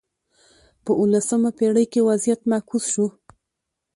په اولسمه پېړۍ کې وضعیت معکوس شو.